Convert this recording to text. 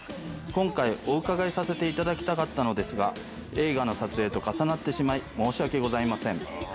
今回、お伺いさせていただきたかったのですが、映画の撮影と重なってしまい申し訳ございません。